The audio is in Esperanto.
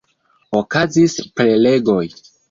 Okazis prelegoj.